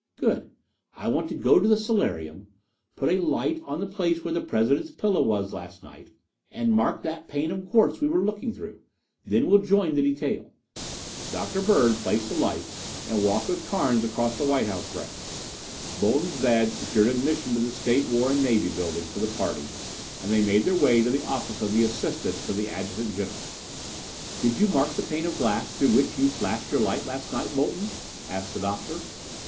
"Good. I want to go to the solarium, put a light on the place where the President's pillow was last night, and mark that pane of quartz we were looking through. Then we'll join the detail." Dr. Bird placed the light and walked with Carnes across the White House grounds. Bolton's badge secured admission to the State, War and Navy Building for the party and they made their way to the office of the Assistant to the Adjutant General. "Did you mark the pane of glass through which you flashed your light last night, Bolton?" asked the Doctor.